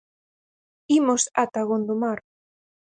Imos ata Gondomar.